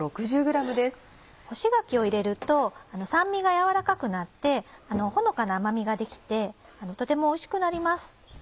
干し柿を入れると酸味がやわらかくなってほのかな甘みができてとてもおいしくなります。